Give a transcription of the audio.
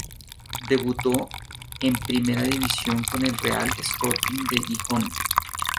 Debutó en Primera División con el Real Sporting de Gijón.